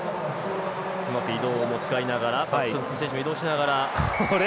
うまく移動も使いながら複数選手も移動しながら。